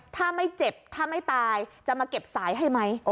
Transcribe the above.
ถ้าไม่เจ็บถ้าไม่ตายจะมาเก็บสายให้ไหม